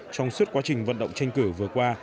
trong suốt quá trình vận động tranh cử vừa qua